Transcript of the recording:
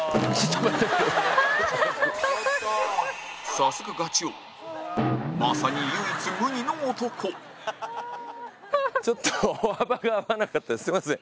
さすがガチ王まさに唯一無二の男ちょっと、歩幅が合わなかったです、すみません。